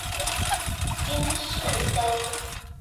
金饰章。